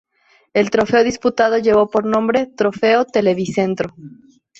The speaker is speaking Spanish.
El trofeo disputado llevó por nombre "Trofeo Televicentro".